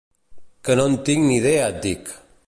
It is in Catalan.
Que no en tinc ni idea et dic!